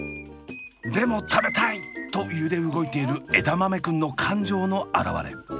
でも食べたい！と揺れ動いているえだまめくんの感情の表れ。